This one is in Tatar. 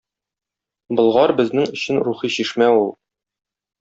Болгар - безнең өчен рухи чишмә ул.